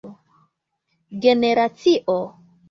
generacio